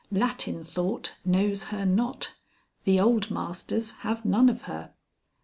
Latin thought knows her not; the old masters have none of her.